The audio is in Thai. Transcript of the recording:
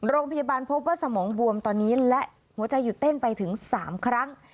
โรงพยาบาลพบว่าสมองบวมตอนนี้และหัวใจหยุดเต้นไปถึง๓ครั้ง